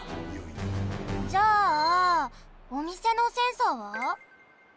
じゃあおみせのセンサーは？